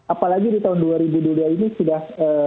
apalagi di tahun dua ribu dua ini sudah